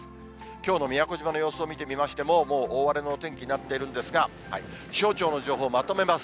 きょうの宮古島の様子を見てみましても、もう大荒れのお天気になっているんですが、気象庁の情報をまとめます。